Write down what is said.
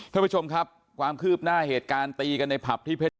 ท่านผู้ชมครับความคืบหน้าเหตุการณ์ตีกันในผับที่เพชร